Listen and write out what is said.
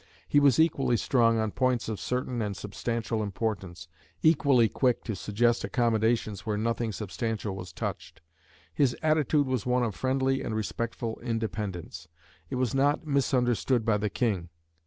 He was equally strong on points of certain and substantial importance, equally quick to suggest accommodations where nothing substantial was touched. His attitude was one of friendly and respectful independence. It was not misunderstood by the King.